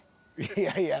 いやいや。